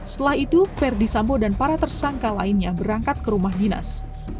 setelah itu verdi sambo dan para tersangka lainnya berangkat ke rumah dinas